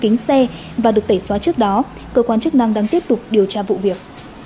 kính xe và được tẩy xóa trước đó cơ quan chức năng đang tiếp tục điều tra vụ việc